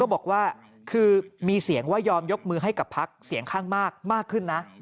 บอกว่าคือมีเสียงว่ายอมยกมือให้กับพักเสียงข้างมากมากขึ้นนะ